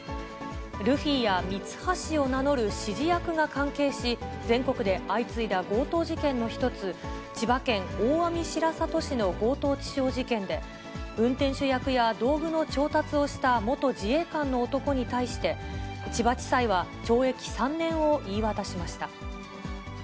ルフィやミツハシを名乗る指示役が関係し、全国で相次いだ強盗事件の一つ、千葉県大網白里市の強盗致傷事件で、運転手役や、道具の調達をした元自衛官の男に対して、千葉地裁は懲役３年を言い渡しました。